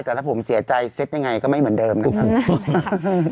แต่ถ้าผมเสียใจเซ็ตยังไงก็ไม่เหมือนเดิมนะครับ